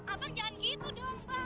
abang jangan begitu dong bang